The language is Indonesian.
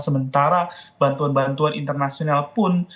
sementara bantuan bantuan internasional pun